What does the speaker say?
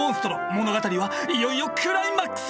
物語はいよいよクライマックスへ！